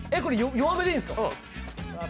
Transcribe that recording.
弱めでいいんですか？